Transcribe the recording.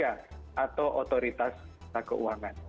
atau otoritas pendaftaran keuangan